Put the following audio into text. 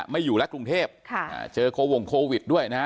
ไม่อยู่แล้วกรุงเทพเจอโควงโควิดด้วยนะฮะ